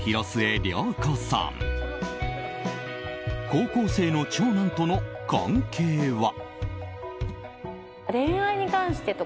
高校生の長男との関係は。